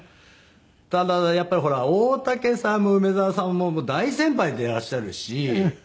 ただやっぱりほら大竹さんも梅沢さんも大先輩でいらっしゃるし。